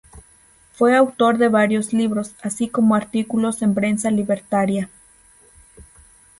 Fue autor de varios libros, así como artículos en prensa libertaria.